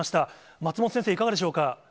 松本先生、いかがでしょうか。